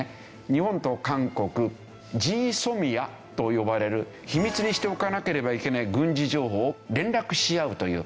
日本と韓国ＧＳＯＭＩＡと呼ばれる秘密にしておかなければいけない軍事情報を連絡し合うという。